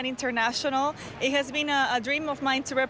มันเป็นทางคุณที่ฉันดูสิ่งสุขที่จะคิดว่าจะสร้างขุมัน